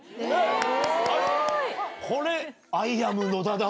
これ。